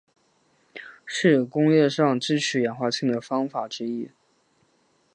是工业上制取氰化氢的方法之一。